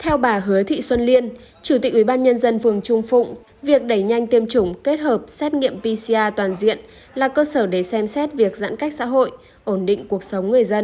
theo bà hứa thị xuân liên chủ tịch ubnd phường trung phụng việc đẩy nhanh tiêm chủng kết hợp xét nghiệm pcr toàn diện là cơ sở để xem xét việc giãn cách xã hội ổn định cuộc sống người dân